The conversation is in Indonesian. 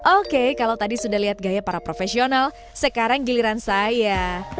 oke kalau tadi sudah lihat gaya para profesional sekarang giliran saya